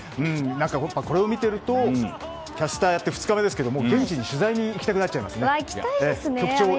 僕は、これを見ているとキャスターをやって２日目ですが現地に取材に行きたくなっちゃいますね。